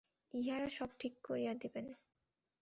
ইঁহারা সব ঠিক করিয়া দিবেন।